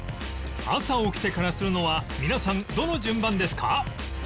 朝起きてからするのは皆さんどの順番ですか？